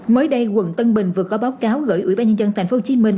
mới đây quận tân bình vừa có báo cáo gửi ủy ban nhân dân thành phố hồ chí minh